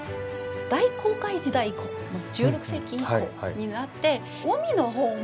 大航海時代以降１６世紀以降になって海のほうも。